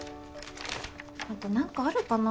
後何かあるかな？